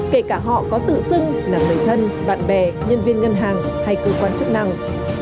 kể cả họ có tự xưng là người thân bạn bè nhân viên ngân hàng hay cơ quan chức năng